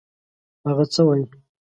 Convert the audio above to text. هغه څه وايي.